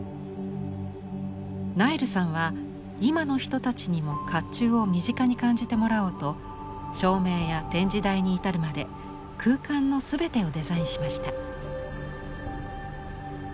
ナイルさんは今の人たちにも甲冑を身近に感じてもらおうと照明や展示台に至るまで空間の全てをデザインしました。